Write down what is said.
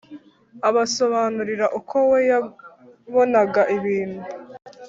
abasobanurira uko we yabonaga ibintu.